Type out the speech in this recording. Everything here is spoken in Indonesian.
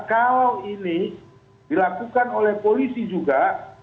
kalau ini dilakukan oleh polisi juga